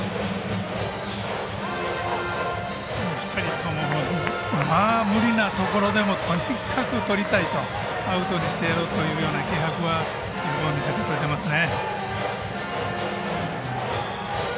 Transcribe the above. ２人とも無理なところでもとにかく取りたいとアウトにしてやろうというような気迫は十分見せてくれていますね。